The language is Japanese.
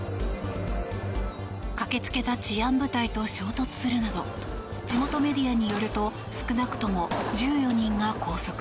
駆けつけた治安部隊と衝突するなど地元メディアによると少なくとも１４人が拘束。